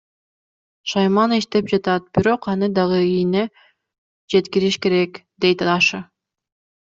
Шайман иштеп жатат, бирок аны дагы ийине жеткириш керек, дейт Даша.